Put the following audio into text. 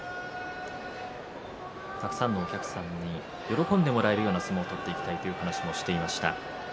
たくさんのお客さんに喜んでもらえるような相撲を取っていきたいという話をしていました。